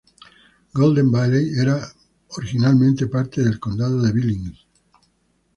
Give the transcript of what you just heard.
Golden Valley era originalmente parte del condado de Billings.